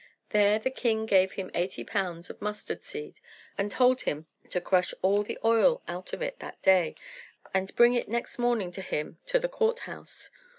There the king gave him eighty pounds of mustard seed, and told him to crush all the oil out of it that day, and bring it next morning to him to the court house.